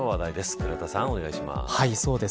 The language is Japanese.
倉田さん、お願いします。